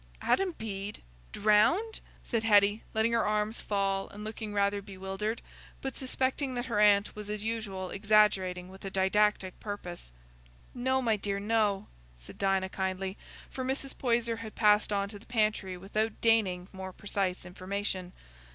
"Adam Bede—drowned?" said Hetty, letting her arms fall and looking rather bewildered, but suspecting that her aunt was as usual exaggerating with a didactic purpose. "No, my dear, no," said Dinah kindly, for Mrs. Poyser had passed on to the pantry without deigning more precise information.